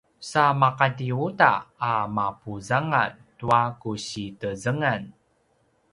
sa maqati uta a mapuzangal tua ku si tezengan